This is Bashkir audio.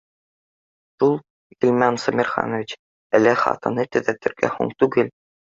Шул, Ғилман Сәмерханович, әле хатаны төҙәтергә һуң түгел